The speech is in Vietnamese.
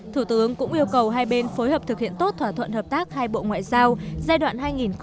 thủ tướng cũng yêu cầu hai bên phối hợp thực hiện tốt thỏa thuận hợp tác hai bộ ngoại giao giai đoạn hai nghìn hai mươi hai nghìn hai mươi năm